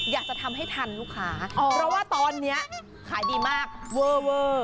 อยากจะทำให้ทันลูกค้าเพราะว่าตอนนี้ขายดีมากเวอร์เวอร์